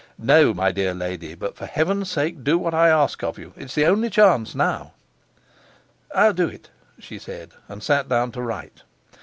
"No, my dear lady, but for Heaven's sake do what I ask of you. It's the only chance now." "I'll do it," she said, and sat down to write.